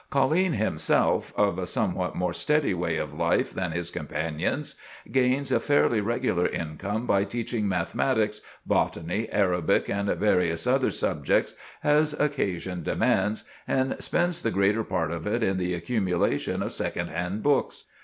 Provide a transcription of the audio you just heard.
Colline himself, of a somewhat more steady way of life than his companions, gains a fairly regular income by teaching mathematics, botany, Arabic, and various other subjects, as occasion demands, and spends the greater part of it in the accumulation of second hand books.